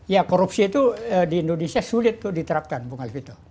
ya korupsi itu di indonesia sulit tuh diterapkan bung alvito